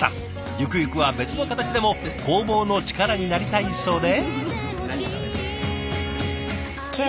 ゆくゆくは別の形でも工房の力になりたいそうで。